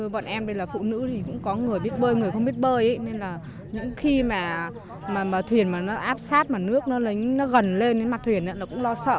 bọn em đây là phụ nữ thì cũng có người biết bơi người không biết bơi nên là những khi mà thuyền áp sát và nước nó gần lên mặt thuyền cũng lo sợ